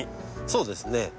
そうですね。